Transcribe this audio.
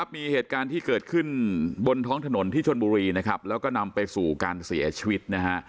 มีเหตุการณ์ที่เกิดขึ้นบนท้องถนนที่ชนบุรีนะครับแล้วก็นำไปสู่การเสียชีวิตนะฮะ